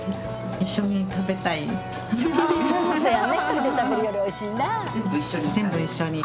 １人で食べるよりおいしいな。